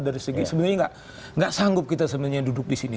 dari segi sebenarnya enggak sanggup kita sebenarnya duduk disini